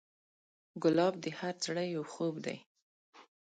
ګلاب د هر زړه یو خوب دی.